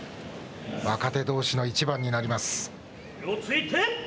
若手どうしの一番になります。